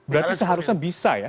berarti seharusnya bisa ya